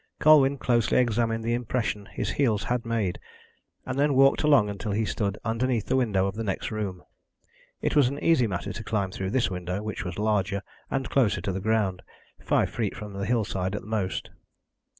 Colwyn closely examined the impression his heels had made, and then walked along until he stood underneath the window of the next room. It was an easy matter to climb through this window, which was larger, and closer to the ground five feet from the hillside, at the most.